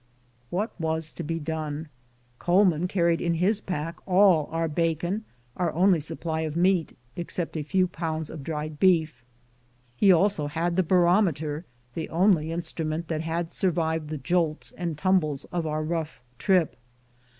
What was to be done ? Coleman carried m his pack all our bacon, our only supply of meat, except a few pounds of dried beef. He also nad the barometer, the only instrument that had survived the jolts and tumbles of our rough trip.